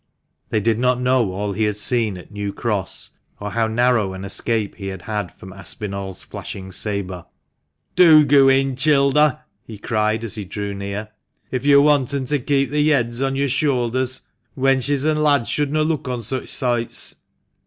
They did not know all he had seen at New Cross, or how narrow an escape he had had from Aspinall's flashing sabre. "Do goo in, childer!" he cried, as he drew near, "if yo' wantn to kep the yeads on yo'r shoulders. Wenches and lads shouldna look on such soights."